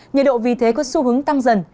nhiệt độ vì thế có xu hướng tăng dần